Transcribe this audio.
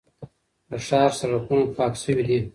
د ښار سړکونه پاک شوي دي.